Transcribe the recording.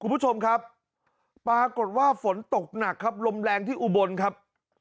คุณผู้ชมครับปรากฏว่าฝนตกหนักครับลมแรงที่อุบลครับ